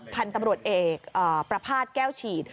พันธุ์ตำรวจเอกประภาษณ์แก้วฉีด